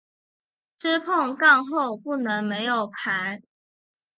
吃碰杠后不能没有牌。